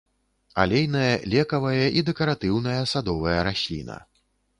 Алейная, лекавая і дэкаратыўная садовая расліна.